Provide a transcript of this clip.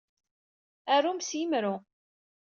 Arum s yemru.